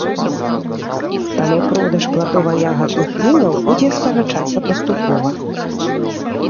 Таму продаж пладова-ягадных вінаў будзе скарачацца паступова.